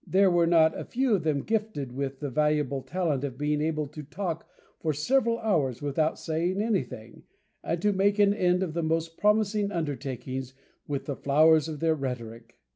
There were not a few of them gifted with the valuable talent of being able to talk for several hours without saying anything, and to make an end of the most promising undertakings with the flowers of their rhetoric.